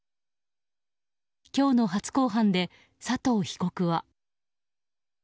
今日の初公判で佐藤被告は。